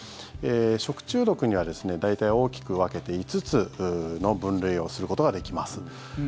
食中毒には大体、大きく分けて５つの分類をすることができます。